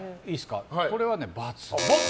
これはね、×。